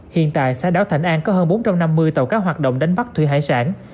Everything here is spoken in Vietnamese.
hiện tại xã đảo thạnh an có hơn bốn trăm năm mươi tàu cá hoạt động đánh bắt thủy hải sản